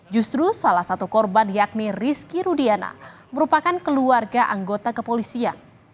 justru salah satu korban yakni rizky rudiana merupakan keluarga anggota kepolisian